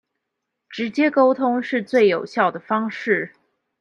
直接溝通是最有效的方式